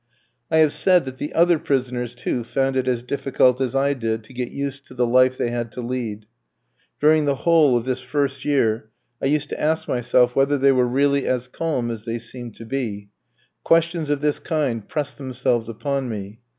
I have said that the other prisoners, too, found it as difficult as I did to get used to the life they had to lead. During the whole of this first year, I used to ask myself whether they were really as calm as they seemed to be. Questions of this kind pressed themselves upon me.